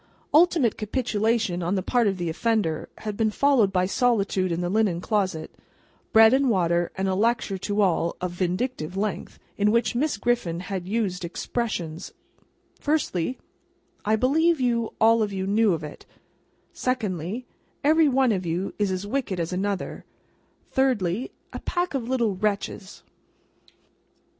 Ultimate capitulation on the part of the offender, had been followed by solitude in the linen closet, bread and water and a lecture to all, of vindictive length, in which Miss Griffin had used expressions: Firstly, "I believe you all of you knew of it;" Secondly, "Every one of you is as wicked as another;" Thirdly, "A pack of little wretches."